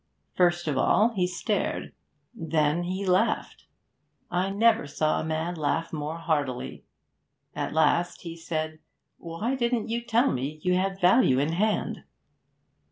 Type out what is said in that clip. First of all he stared, and then he laughed; I never saw a man laugh more heartily. At last he said, "Why didn't you tell me you had value in hand?